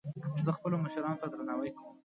زه خپلو مشرانو ته درناوی کوم